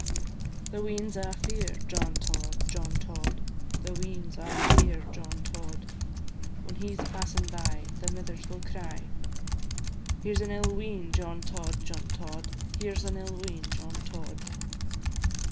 The weans a' fear John Tod, John Tod, The weans a' fear John Tod; When he 's passing by, The mithers will cry, Here 's an ill wean, John Tod, John Tod, Here 's an ill wean, John Tod.